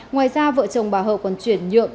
ngoài ra vợ chồng bà hợp còn chuyển nhượng